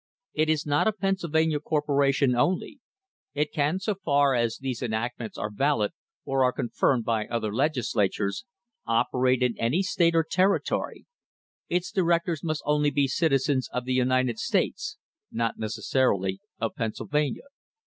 It is not a Penn sylvania corporation only; it can, so far as these enactments are valid, or are confirmed by other Legislatures, operate in any state or territory; its directors must be only citizens of the United States— not necessarily of Pennsylvania.